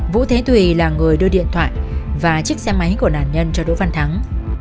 vũ thế tùy là người đưa điện thoại và chiếc xe máy của nạn nhân cho đỗ văn thắng